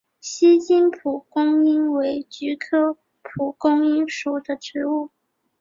锡金蒲公英为菊科蒲公英属的植物。